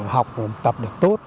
học tập được tốt